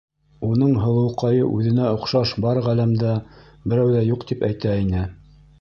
Уның һылыуҡайы уҙенә оҡшаш бар ғаләмдә берәү ҙә юҡ тип әйтә ине.